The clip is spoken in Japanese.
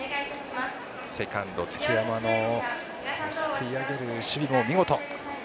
セカンド・月山のすくい上げる守備も見事。